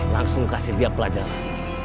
langsung kasih dia pelajaran